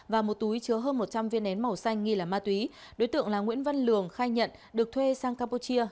và một túi chứa hơn một trăm linh viên nén màu xanh nghi là ma túy đối tượng là nguyễn văn lường khai nhận được thuê sang campuchia